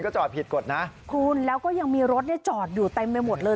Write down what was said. ใช่ค่ะคุณค่ะแล้วก็ยังมีรถจอดอยู่ใต้ไม่หมดเลย